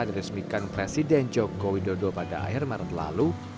diresmikan presiden joko widodo pada akhir maret lalu